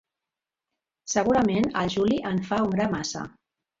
Segurament el Juli en fa un gra massa.